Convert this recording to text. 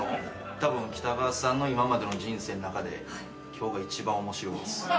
たぶん北川さんの今までの人生の中で今日が一番面白いです。